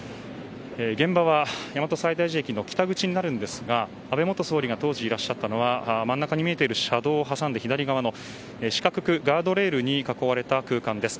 現場は大和西大寺駅の北口になるんですが安倍元総理が当時いらっしゃったのは真ん中に見えている車道を挟んで左側の四角くガードレールに囲われた空間です。